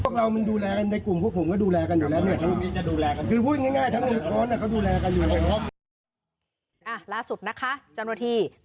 คุณพูดดี